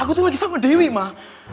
aku tuh lagi sama dewi mah